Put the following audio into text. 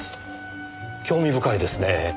興味深いですねぇ。